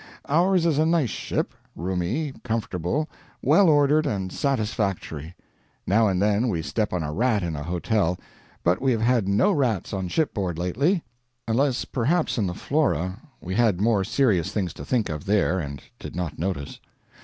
Ours is a nice ship, roomy, comfortable, well ordered, and satisfactory. Now and then we step on a rat in a hotel, but we have had no rats on shipboard lately; unless, perhaps in the Flora; we had more serious things to think of there, and did not notice.